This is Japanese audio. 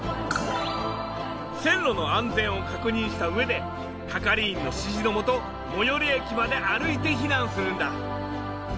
線路の安全を確認した上で係員の指示のもと最寄り駅まで歩いて避難するんだ。